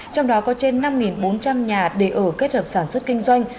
trong đó có trên năm bốn trăm linh nhà để ở kết hợp sản xuất kinh doanh